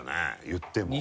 言っても。